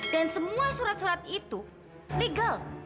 dan semua surat surat itu legal